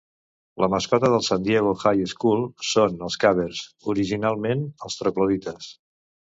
La mascota del San Diego High School són els Cavers, originalment els troglodites.